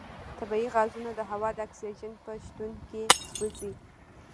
طبیعي غازونه د هوا د اکسیجن په شتون کې سوځي.